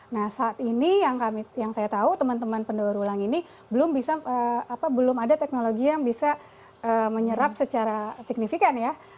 nah saat ini yang saya tahu teman teman pendaur ulang ini belum bisa belum ada teknologi yang bisa menyerap secara signifikan ya